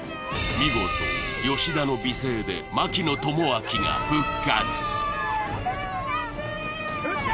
見事吉田の美声で槙野智章が復活復活！